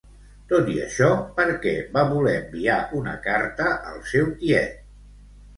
Tot i això, per què va voler enviar una carta al seu tiet?